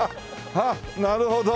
あっなるほど。